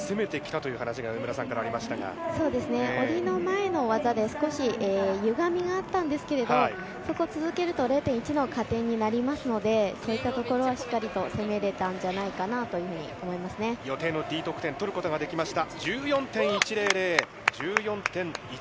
そうですね、降りの前の技で、少しゆがみがあったんですが、そこ続けると０．１の加点になりますので、そういったところは、しっかりと攻めれたんじゃないか予定のＤ得点、取ることができました。